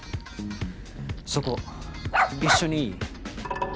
そこ一緒にいい？